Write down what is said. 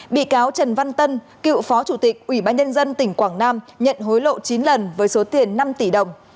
bị cáo trần văn tân cựu phó chủ tịch ủy ban nhân dân tỉnh quảng nam nhận hối lộ chín lần với số tiền năm tỷ đồng